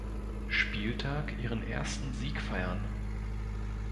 Spieltag ihren ersten Sieg feiern.